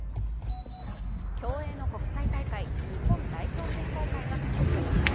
競泳の国際大会、日本代表選考会が開幕。